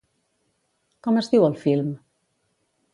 Com es diu el film?